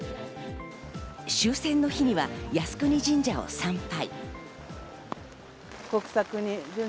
終戦の日には靖国神社を参拝。